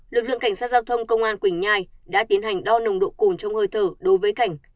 lực lượng cảnh sát giao thông công an quỳnh nhai đã tiến hành đo nồng độ cồn trong hơi thở đối với cảnh